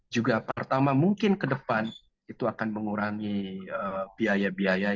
juga pertama mungkin ke depan itu akan mengurangi biaya biaya